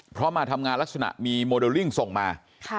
เพราะมาทำงานลักษณะมีโมเดลลิ่งส่งมา